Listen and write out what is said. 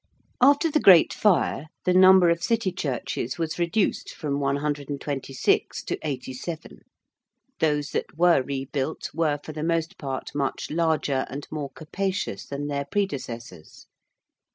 After the Great Fire, the number of City churches was reduced from 126 to 87. Those that were rebuilt were for the most part much larger and more capacious than their predecessors.